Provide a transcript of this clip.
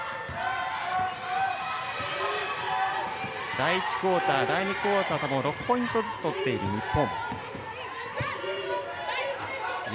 第１クオーター第２クオーターともともに６ポイントずつ取っている日本。